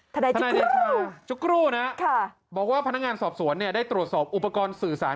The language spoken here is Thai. ทนายเดชาจุ๊กรูนะบอกว่าพนักงานสอบสวนเนี่ยได้ตรวจสอบอุปกรณ์สื่อสาร